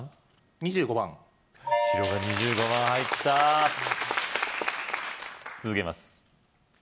２５番白が２５番入った続けます